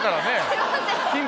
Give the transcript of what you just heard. すいません！